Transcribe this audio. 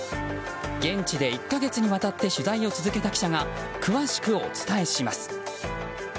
現地で１か月にわたって取材を続けた記者が詳しくお伝えします。